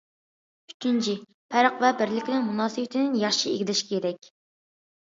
ئۈچىنچى، پەرق ۋە بىرلىكنىڭ مۇناسىۋىتىنى ياخشى ئىگىلەش كېرەك.